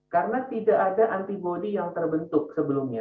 karena tidak ada antibody yang terbentuk sebelumnya